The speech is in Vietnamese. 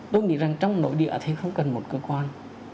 tôi nghĩ rằng trong nội địa thì không cần một cơ quan